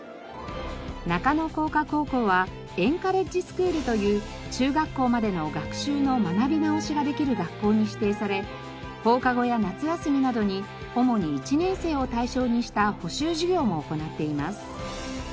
中野工科高校はエンカレッジスクールという中学校までの学習の学び直しができる学校に指定され放課後や夏休みなどに主に１年生を対象にした補習授業も行っています。